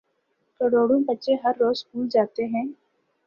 کروڑوں بچے ہر روزسکول جا تے ہیں۔